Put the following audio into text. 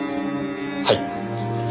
はい。